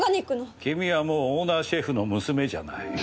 君はもうオーナーシェフの娘じゃない。